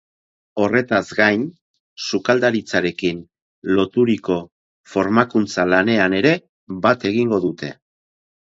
Horretaz gain, sukaldaritzarekin loturiko formakuntza lanean ere bat egingo dute.